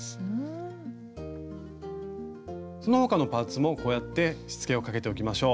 その他のパーツもこうやってしつけをかけておきましょう。